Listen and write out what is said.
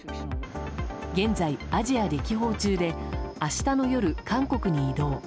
現在、アジア歴訪中で明日の夜、韓国に移動。